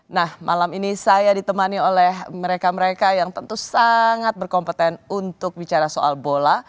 nah malam ini saya ditemani oleh mereka mereka yang tentu sangat berkompeten untuk bicara soal bola